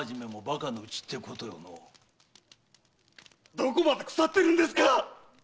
どこまで腐っているのですか！